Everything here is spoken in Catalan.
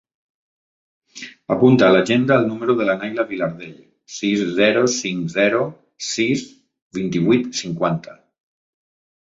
Apunta a l'agenda el número de la Nayla Vilardell: sis, zero, cinc, zero, sis, vint-i-vuit, cinquanta.